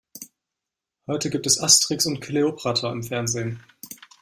Heute gibt es Asterix und Kleopatra im Fernsehen.